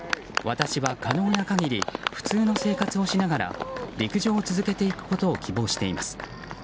私は可能な限り普通の生活をしながら陸上を続けていくことを希望しています。